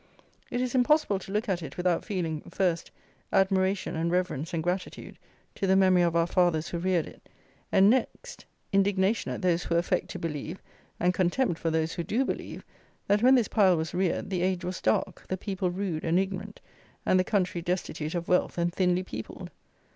It is impossible to look at it without feeling, first, admiration and reverence and gratitude to the memory of our fathers who reared it; and next, indignation at those who affect to believe, and contempt for those who do believe, that, when this pile was reared, the age was dark, the people rude and ignorant, and the country destitute of wealth and thinly peopled.